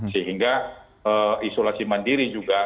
sehingga isolasi mandiri juga